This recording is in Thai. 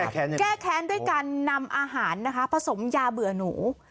แก้แค้นด้วยการนำอาหารนะคะผสมยาเบื่อหนู